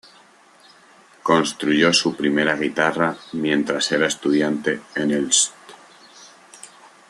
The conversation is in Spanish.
Construyó su primera guitarra mientras era estudiante en el St.